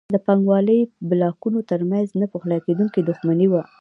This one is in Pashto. د پانګوالۍ بلاکونو ترمنځ نه پخلاکېدونکې دښمني وه.